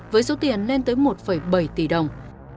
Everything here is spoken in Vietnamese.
với số tiền lên tới một bảy tỷ đồng